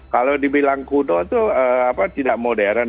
kalau dibilang kudo itu tidak modern